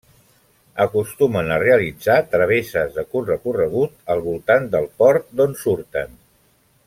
Acostumen a realitzar travesses de curt recorregut al voltant del port d'on surten.